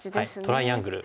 トライアングル。